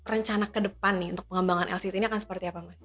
rencana ke depan nih untuk pengembangan lct ini akan seperti apa mas